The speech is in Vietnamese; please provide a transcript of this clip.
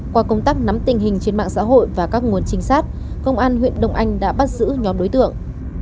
qua công tác nắm tình hình trên mạng xã hội và các nguồn trinh sát công an huyện đông anh đã bắt giữ nhóm đối tượng